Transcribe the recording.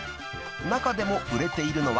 ［中でも売れているのは］